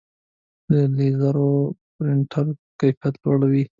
د لیزر پرنټر کیفیت لوړ وي.